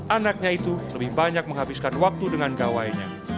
anaknya itu lebih banyak menghabiskan waktu dengan gawainya